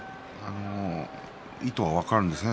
意図は分かるんですね。